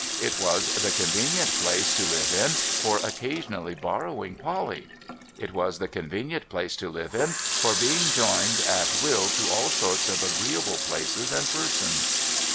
It was the convenient place to live in, for occasionally borrowing Polly., It was the convenient place to live in, for being joined at will to all sorts of agreeable places and persons.